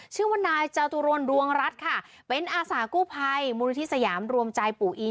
ชื่อว่านายจตุรนดวงรัฐค่ะเป็นอาสากู้ภัยมูลนิธิสยามรวมใจปู่อี